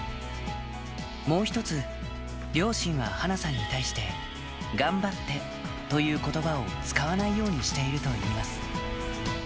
もう一つ、両親は華さんに対して、頑張ってということばを使わないようにしているといいます。